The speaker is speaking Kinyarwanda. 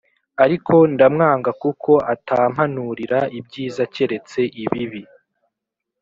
ariko ndamwanga kuko atampanurira ibyiza keretse ibibi